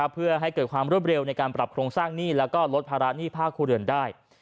เพื่อให้เกิดความรวดเร็วในการปรับโครงสร้างหนี้แล้วก็ลดภาระหนี้ภาคครัวเรือนได้